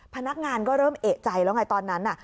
พนักงานก็เริ่มเอกใจแล้วไงตอนนั้น